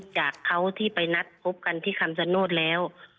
จากเขาที่ไปนัดพบกันที่คำชโนธแล้ว